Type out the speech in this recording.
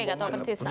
oke nggak tahu persis